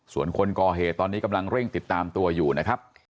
ส่วนคนก่อเหตุตอนนี้กำลังเร่งติดตามตัวอยู่นะครับ